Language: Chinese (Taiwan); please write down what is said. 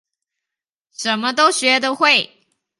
什麼都學得會